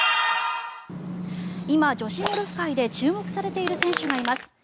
今、女子ゴルフ界で注目されている選手がいます。